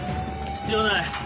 必要ない。